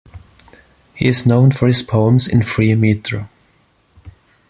He is known for his poems in free metre.